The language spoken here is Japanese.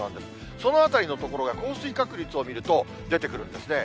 そのあたりのところが降水確率を見ると、出てくるんですね。